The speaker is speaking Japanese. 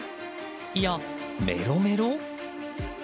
いや、メロメロ？